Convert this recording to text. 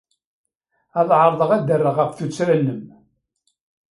Ad ɛerḍeɣ ad d-rreɣ ɣef tuttra-nnem.